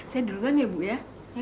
saya duluan ya bu ya